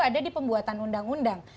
ada di pembuatan undang undang